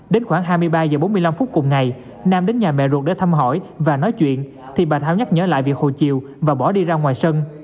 đến khoảng hai mươi ba h bốn mươi năm phút cùng ngày nam đến nhà mẹ ruột để thăm hỏi và nói chuyện thì bà thảo nhắc nhở lại việc hồ chiều và bỏ đi ra ngoài sân